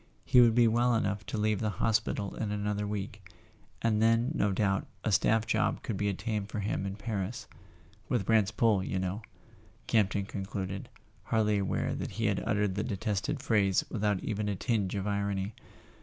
He would be well enough to leave the hospital [ 316 ] A SON AT THE FRONT in another week, and then no doubt a staff job could be obtained for him in Paris—" with Brant's pull, you know," Camp ton concluded, hardly aware that he had uttered the detested phrase without even a tinge of irony.